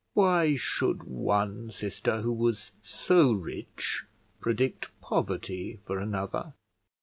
Why should one sister who was so rich predict poverty for another?